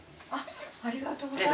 ありがとうございます。